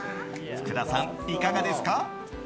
福田さん、いかがですか？